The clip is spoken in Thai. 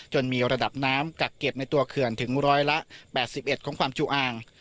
มีระดับน้ำกักเก็บในตัวเขื่อนถึงร้อยละ๘๑ของความจุอ่าง